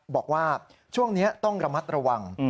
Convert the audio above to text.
บอกว่าช่วงนี้ต้องระมัดระวัง